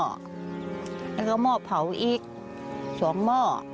แล้วก็หม้อเผาอีก๒หม้อ